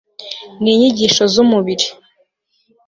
ninyigisho z umubiri